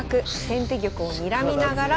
先手玉をにらみながら。